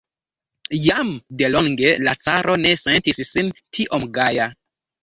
Jam de longe la caro ne sentis sin tiom gaja.